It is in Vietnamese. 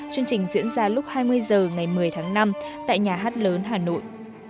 chương trình diễn ra lúc hai mươi h ngày một mươi tháng năm tại nhà hát lớn hà nội